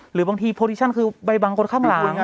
หรือบางทีโปรดิชั่นคือใบบางคนข้ามหลัง